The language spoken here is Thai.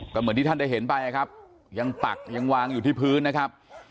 ก็เหมือนที่ท่านได้เห็นไปนะครับยังปักยังวางอยู่ที่พื้นนะครับ